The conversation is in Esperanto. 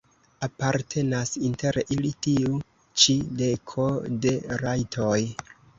Apartenas inter ili tiu ĉi deko de rajtoj.